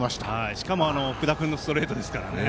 しかも、福田君のストレートですからね。